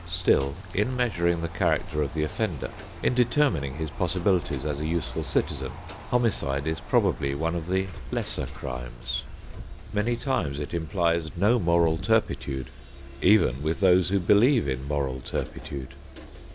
Still, in measuring the character of the offender, in determining his possibilities as a useful citizen, homicide is probably one of the lesser crimes. Many times it implies no moral turpitude, even with those who believe in moral turpitude.